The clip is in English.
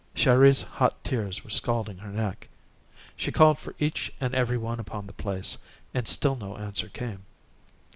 Chéri's hot tears were scalding her neck. She called for each and every one upon the place, and still no answer came.